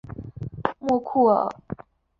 莫库尔。